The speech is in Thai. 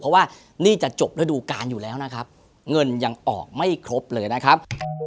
เพราะว่านี่จะจบระดูการอยู่แล้วนะครับเงินยังออกไม่ครบเลยนะครับ